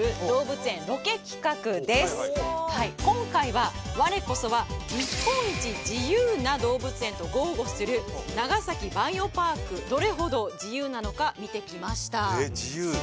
今回は我こそは日本一自由な動物園と豪語する長崎バイオパークどれほど自由なのか見てきました自由？